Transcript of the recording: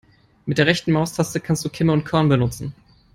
Mit der rechten Maustaste kannst du Kimme und Korn benutzen.